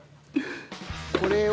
これを。